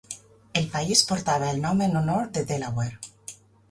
El país portava el nom en honor de Delaware.